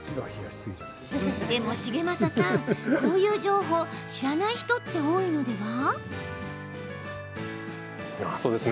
でも重政さん、こういう情報知らない人って多いのでは？